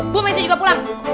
bu messi juga pulang